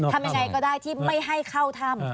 ทำยังไงก็ได้ที่ไม่ให้เข้าถ้ำ